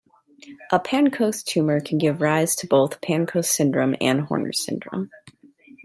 A Pancoast tumor can give rise to both Pancoast syndrome and Horner's syndrome.